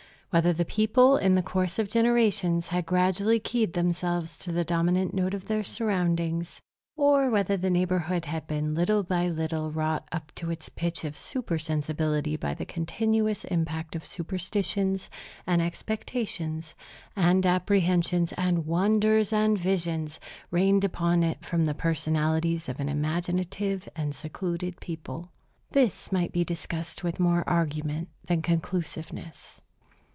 Whether the people, in the course of generations, had gradually keyed themselves to the dominant note of their surroundings, or whether the neighborhood had been little by little wrought up to its pitch of supersensibility by the continuous impact of superstitions, and expectations, and apprehensions, and wonders, and visions, rained upon it from the personalities of an imaginative and secluded people, this might be discussed with more argument than conclusiveness.